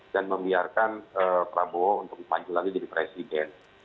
dan membiarkan prabowo untuk maju lagi jadi presiden